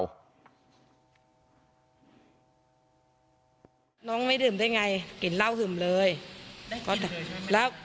น้องไม่ดื่มได้ไงกลิ่นเหล้าหึ่มเลยแล้ว